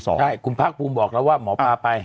ใช่คุณภาคภูมิบอกแล้วว่าหมอปลาไป